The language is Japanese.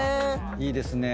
いいですね。